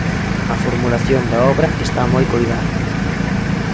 A formulación da obra está moi coidada.